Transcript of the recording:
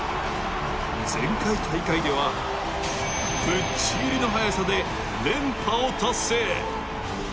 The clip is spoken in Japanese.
前回大会ではぶっちぎりの速さで連覇を達成。